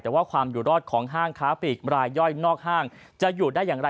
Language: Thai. แต่ว่าความอยู่รอดของห้างค้าปีกรายย่อยนอกห้างจะอยู่ได้อย่างไร